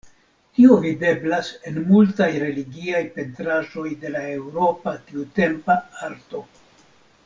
Tio videblas en multaj religiaj pentraĵoj de la eŭropa tiutempa arto.